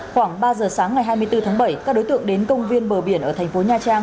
khoảng ba giờ sáng ngày hai mươi bốn tháng bảy các đối tượng đến công viên bờ biển ở thành phố nha trang